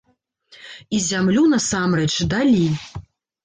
І зямлю насамрэч далі.